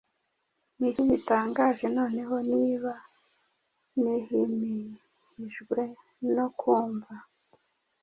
Niki gitangaje noneho niba nhimihijwe no kumva